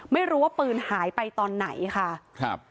ไม่รู้ว่าปืนหายไปตอนไหนค่ะครับ